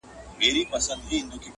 يو وزير به يې مين وو پر رنگونو!.